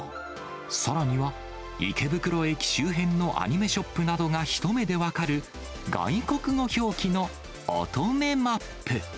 さらには、池袋駅周辺のアニメショップなどが一目で分かる、外国語表記の乙女マップ。